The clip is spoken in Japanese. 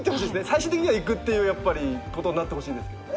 最終的には行くっていうことになってほしいですけどね。